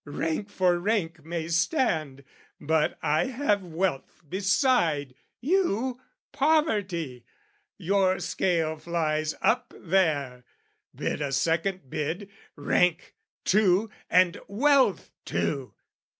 Rank for rank may stand: "But I have wealth beside, you poverty; "Your scale flies up there: bid a second bid, "Rank too, and wealth too!"